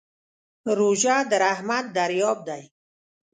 روژه د رحمت دریاب دی.